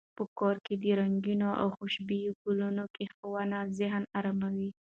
په کور کې د رنګینو او خوشبویه ګلانو کښېنول ذهن اراموي.